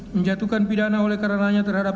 menjatuhkan pidana oleh karenanya terhadap